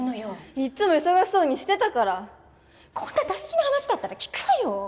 いっつも忙しそうにしてたからこんな大事な話だったら聞くわよ